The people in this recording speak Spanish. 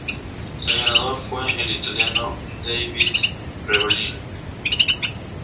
El ganador fue el italiano Davide Rebellin.